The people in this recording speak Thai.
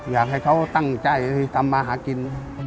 อยากให้เขาตั้งใจทำมาหากิน